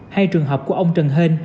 hai trường hợp của ông trần hên